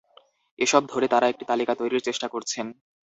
এসব ধরে তাঁরা একটি তালিকা তৈরির চেষ্টা করছেন।